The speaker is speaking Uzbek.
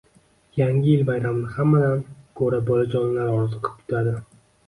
Yangi yil bayramini hammadan ko`ra bolajonlar orziqib kutadi